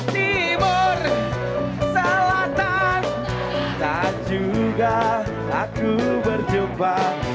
timur selatan dan juga aku berjumpa